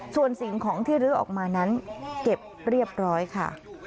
ส่วนสิ่งของที่ลื้อออกมานั้นเก็บเรียบร้อยค่ะ